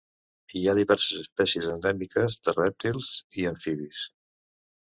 Hi ha diverses espècies endèmiques de rèptils i amfibis.